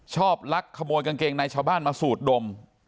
ลักขโมยกางเกงในชาวบ้านมาสูดดม